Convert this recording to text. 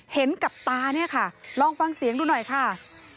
เห็นกับตาเนี่ยค่ะลองฟังเสียงดูหน่อยค่ะ